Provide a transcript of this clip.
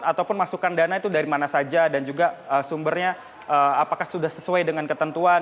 ataupun masukan dana itu dari mana saja dan juga sumbernya apakah sudah sesuai dengan ketentuan